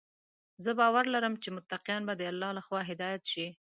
زه باور لرم چې متقیان به د الله لخوا هدايت شي.